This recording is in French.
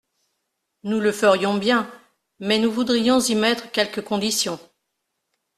»Nous le ferions bien, mais nous voudrions y mettre quelques conditions.